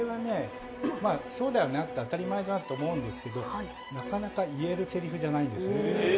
これは当たり前だなと思うんですけど、なかなか言えるせりふじゃないんですよね。